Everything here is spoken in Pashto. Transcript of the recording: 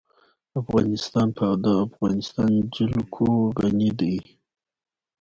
افغانستان په د افغانستان جلکو غني دی.